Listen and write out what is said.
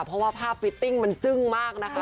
เพราะว่าภาพฟิตติ้งมันจึ้งมากนะคะ